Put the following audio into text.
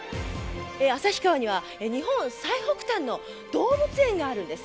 旭川には、日本最北端の動物園があるんです。